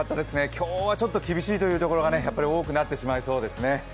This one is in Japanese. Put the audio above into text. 今日はちょっと厳しいところがやっぱり多くなってしまいそうですね。